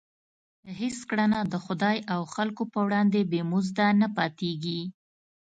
هېڅ کړنه د خدای او خلکو په وړاندې بې مزده نه پاتېږي.